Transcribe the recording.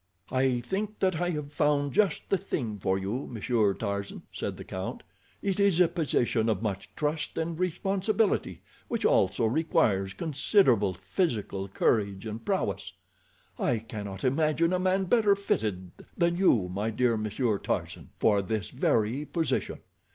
"I think that I have found just the thing for you, Monsieur Tarzan," said the count. "It is a position of much trust and responsibility, which also requires considerably physical courage and prowess. I cannot imagine a man better fitted than you, my dear Monsieur Tarzan, for this very position.